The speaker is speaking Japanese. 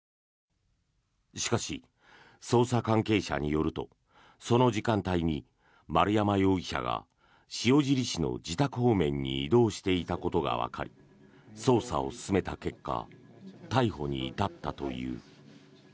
しかし、捜査関係者によるとその時間帯に丸山容疑者が塩尻市の自宅方面に移動していたことがわかり捜査を進めた結果逮捕に至ったという。